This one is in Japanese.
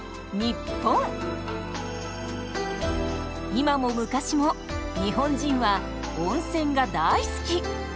今も昔も日本人は温泉が大好き！